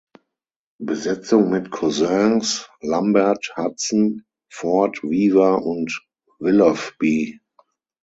Besetzung mit Cousins, Lambert, Hudson, Ford, Weaver und Willoughby.